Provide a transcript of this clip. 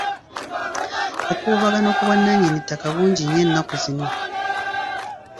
Obukuubagano ku bwannannyini ku ttaka bungi nnyo ennaku zino.